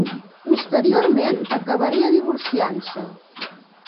Posteriorment, acabaria divorciant-se.